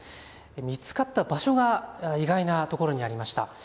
見つかった場所が意外なところにありました。